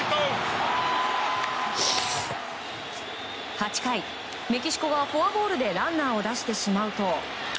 ８回、メキシコがフォアボールでランナーを出してしまうと。